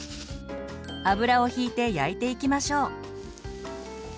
油をひいて焼いていきましょう。